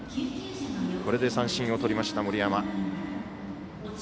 これで三振をとりました、森山。